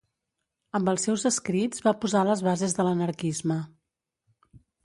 Amb els seus escrits va posar les bases de l'anarquisme.